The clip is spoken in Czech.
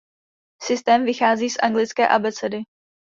Systém vychází z anglické abecedy.